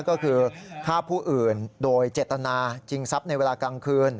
ก็คือฆ่าผู้อื่นโดยเจตนาชิงทรัพย์ในเวลากลางคืน